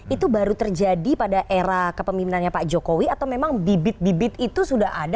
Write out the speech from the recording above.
itu baru terjadi pada era kepemimpinannya pak jokowi atau memang bibit bibit itu sudah ada